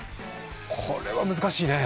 これは難しいね。